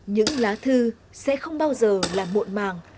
những lá thư sẽ không bao giờ là muộn màng